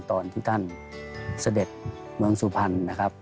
ตอนที่ท่านเสด็จเมืองสุพรรณนะครับ